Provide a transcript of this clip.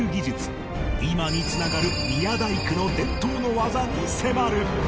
今に繋がる宮大工の伝統の技に迫る！